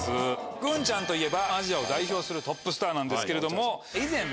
グンちゃんといえばアジアを代表するトップスターなんですけれども以前。